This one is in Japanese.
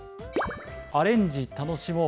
アレンジ楽しもう。